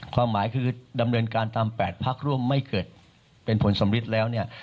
ความหมายคือดำเนินการตาม๘พักร่วมไม่เกิดเป็นผลสำริดแล้วเนี่ย